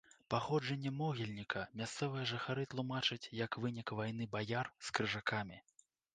Паходжанне могільніка мясцовыя жыхары тлумачаць як вынік вайны баяр з крыжакамі.